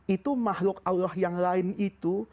itu makhluk allah yang lain itu